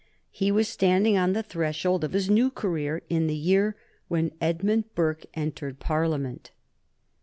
He was standing on the threshold of his new career in the year when Edmund Burke entered Parliament.